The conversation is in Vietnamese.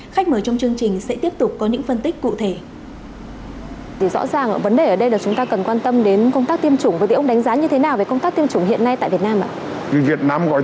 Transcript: khách mời trong chương trình sẽ tiếp tục có những phân tích cụ thể